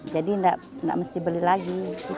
jadi tidak mesti beli lagi